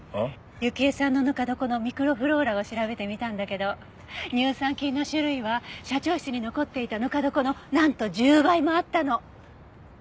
雪絵さんのぬか床のミクロフローラを調べてみたんだけど乳酸菌の種類は社長室に残っていたぬか床のなんと１０倍もあったの！